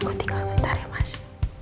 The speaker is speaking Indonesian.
aku tinggal bentar ya mas